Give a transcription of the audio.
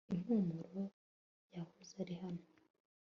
impumuro yahoze ari hano